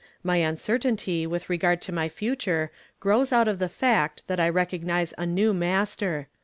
My uncertainty with regard to my future grows out of the fact that I recognize a new Master.